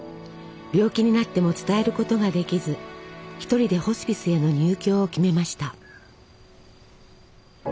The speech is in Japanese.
病気になっても伝えることができず一人でホスピスへの入居を決めました。